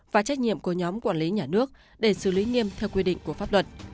và trách nhiệm của nhóm quản lý nhà nước để xử lý nghiêm theo quy định của pháp luật